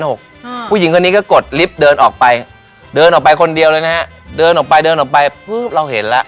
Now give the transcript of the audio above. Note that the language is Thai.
หนึ่งหนึ่งก็กดลิฟท์เดินออกไปเดินออกไปคนเดียวเลยนะเดินออกไปเดินออกไปเราเห็น